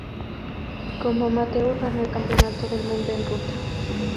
Como amateur ganó el Campeonato del mundo en ruta.